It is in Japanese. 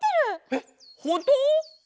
えっほんとう？